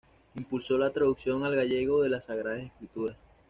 Impulsó la traducción al gallego de las Sagradas Escrituras.